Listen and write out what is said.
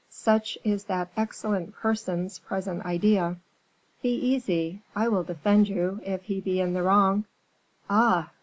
"Such is that excellent person's present idea." "Be easy; I will defend you, if he be in the wrong." "Ah!